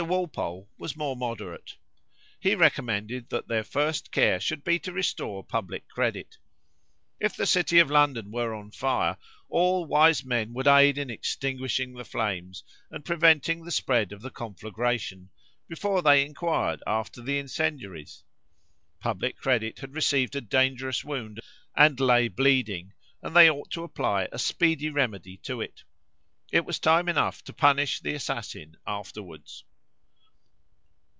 Walpole was more moderate. He recommended that their first care should be to restore public credit. "If the city of London were on fire, all wise men would aid in extinguishing the flames, and preventing the spread of the conflagration, before they inquired after the incendiaries. Public credit had received a dangerous wound, and lay bleeding, and they ought to apply a speedy remedy to it. It was time enough to punish the assassin afterwards."